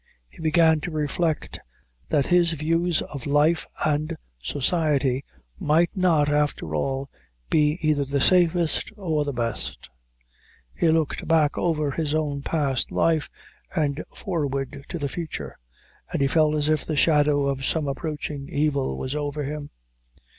He began to reflect that his views of life and society might not, after all, be either the safest or the best. He looked back over his own past life, and forward to the future, and he felt as if the shadow of some approaching evil was over him.